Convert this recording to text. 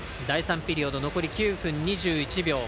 第３ピリオド、残り９分２１秒。